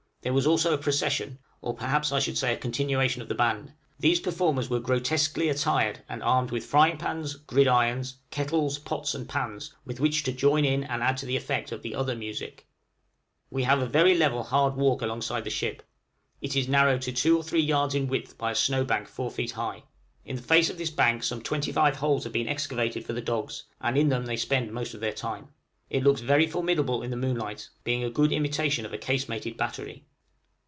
There was also a procession, or perhaps I should say a continuation of the band; these performers were grotesquely attired, and armed with frying pans, gridirons, kettles, pots, and pans, with which to join in and add to the effect of the other music! {SUFFERINGS OF AN ARCTIC PARTY.} We have a very level hard walk alongside the ship; it is narrowed to two or three yards in width by a snow bank four feet high. In the face of this bank some twenty five holes have been excavated for the dogs, and in them they spend most of their time. It looks very formidable in the moonlight, being a good imitation of a casemated battery.